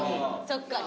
・そっか。